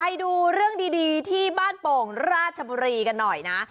ไปดูเรื่องดีที่บ้านโป่งราชบุรีกันหน่อยนะ